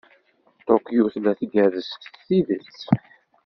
Tokyo tella tgerrez s tidet.